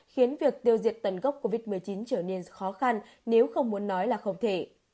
khiến việc tiêu diệt tần gốc covid một mươi chín trở nên khó khăn nếu không muốn nói là không thể